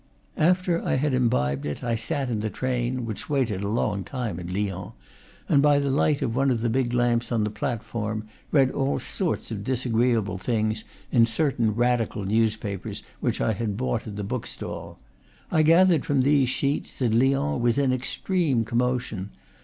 After I had imbibed it, I sat in the train (which waited a long time at Lyons) and, by the light of one of the big lamps on the platform, read all sorts of disagreeable things in certain radical newspapers which I had bought at the book stall. I gathered from these sheets that Lyons was in extreme commotion.